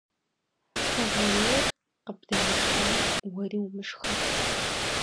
Хэгъэрейр къыбдэмышхэмэ, уэри умышхэ.